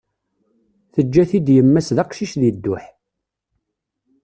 Teǧǧa-t-id yemma-s d aqcic deg dduḥ.